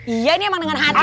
iya ini emang dengan hati